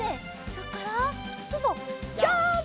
そこからそうそうジャンプ！